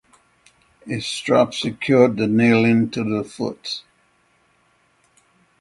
A strap secured the nalin to the foot.